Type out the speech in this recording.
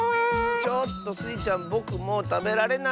ちょっとスイちゃんぼくもうたべられないッスよ！